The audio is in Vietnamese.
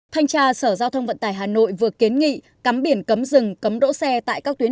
thanh tra sở giao thông vận tải hà nội vừa kiến nghị cắm biển cấm rừng cấm đỗ xe tại các tuyến